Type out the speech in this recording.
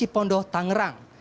di cipondo tangerang